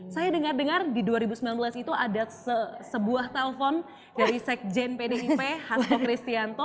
saya dengar dengar di dua ribu sembilan belas itu ada sebuah telpon dari sekjen pdip hasto kristianto